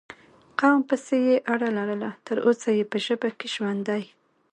قوم پسې یې اړه لرله، تر اوسه یې په ژبه کې ژوندی